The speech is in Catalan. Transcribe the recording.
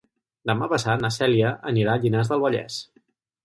Demà passat na Cèlia anirà a Llinars del Vallès.